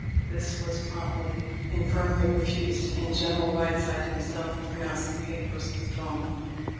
This was promptly and firmly refused, and general Whiteside himself pronounced the papers withdrawn.